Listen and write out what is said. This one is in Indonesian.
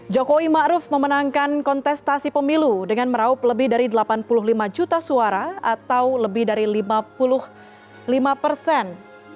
jokowi ⁇ maruf ⁇ memenangkan kontestasi pemilu dengan meraup lebih dari delapan puluh lima juta suara atau lebih dari lima puluh lima persen